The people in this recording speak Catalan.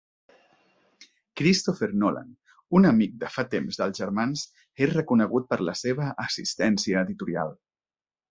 Christopher Nolan, un amic de fa temps dels germans, és reconegut per la seva "assistència editorial".